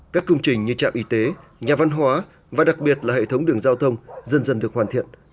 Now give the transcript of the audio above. các công trình như trạm y tế nhà văn hóa và đặc biệt là hệ thống đường giao thông dần dần được hoàn thiện